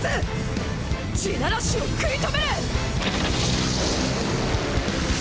「地鳴らし」を食い止める！！